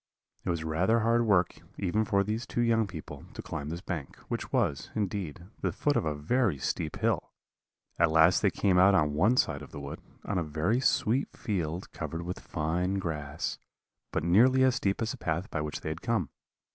"It was rather hard work, even for these two young people, to climb this bank, which was, indeed, the foot of a very steep hill; at last they came out on one side of the wood, on a very sweet field, covered with fine grass, but nearly as steep as the path by which they had come.